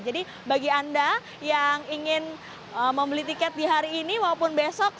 jadi bagi anda yang ingin membeli tiket di hari ini maupun besok